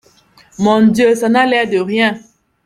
Mon Dieu, ça n’a l’air de rien…